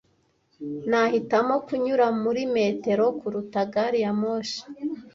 Nahitamo kunyura muri metero kuruta gari ya moshi.